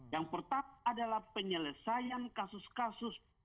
yang pertama adalah penyelesaian kasus kasus pelanggaran ham